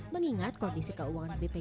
mengingat kondisi keuangan bpjs kesehatan